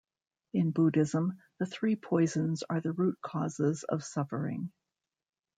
In Buddhism, the three poisons are the root causes of suffering.